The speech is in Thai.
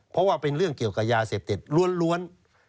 เพราะว่าเป็นเรื่องเกี่ยวกับยาเสพติดล้วน